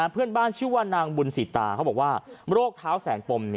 เพื่อนบ้านชื่อว่านางบุญสิตาเขาบอกว่าโรคเท้าแสนปม